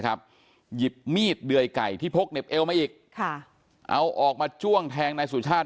ครับหยิบมีดเดยก่ายที่โพกเน็บเอวมาอีกออกมาจ้วงแทงนายสุฌาติ